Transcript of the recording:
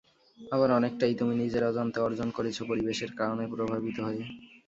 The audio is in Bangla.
আবার অনেকটাই তুমি নিজের অজান্তে অর্জন করেছ পরিবেশের কারণে প্রভাবিত হয়ে।